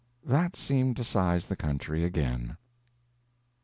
That seemed to size the country again.